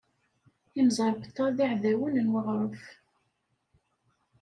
Imẓeṛbeṭṭa d iɛdawen n weɣṛef.